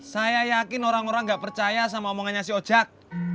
saya yakin orang orang gak percaya sama omongannya si oja